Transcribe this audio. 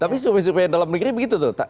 tapi survei survei yang dalam negeri begitu tuh